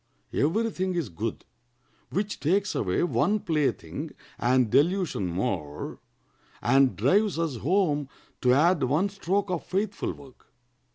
Every thing is good which takes away one plaything and delusion more, and drives us home to add one stroke of faithful work."